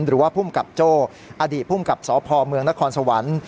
หรือว่าภูมิกับโจ้อดีตภูมิกับสพเมืองนครสวรรค์